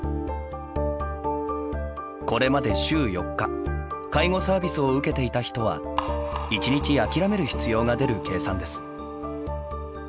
これまで週４日介護サービスを受けていた人は１日、諦める必要が出る計算です。